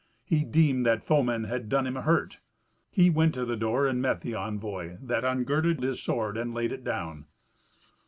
He deemed that foemen had done him a hurt. He went to the door and met the envoy, that ungirded his sword and laid it down.